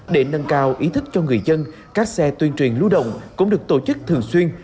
để nâng cao ý thức cho người dân các xe tuyên truyền lưu động cũng được tổ chức thường xuyên